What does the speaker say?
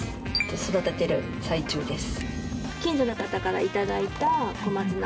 育てている最中です。